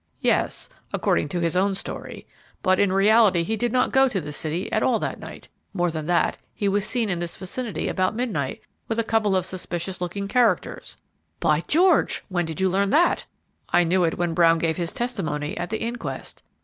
"Yes, according to his own story, but in reality he did not go to the city at all that night. More than that, he was seen in this vicinity about midnight with a couple of suspicious looking characters." "By George! when did you learn that?" "I knew it when Brown gave his testimony at the inquest."